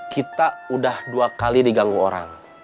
kita udah dua kali diganggu orang